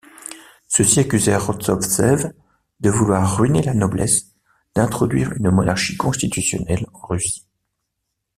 Ceux-ci accusèrent Rostovtsev de vouloir ruiner la noblesse, d'introduire une monarchie constitutionnelle en Russie.